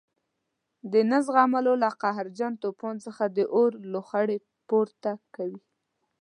د نه زغملو له قهرجن توپان څخه د اور لوخړې پورته کوي.